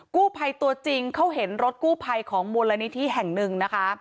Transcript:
กู้ภัยตัวจริงเขาเห็นรถกู้ภัยของมูลนิธิแห่งหนึ่งนะคะ